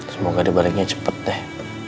semoga dia baliknya cepet deh